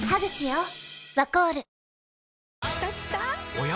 おや？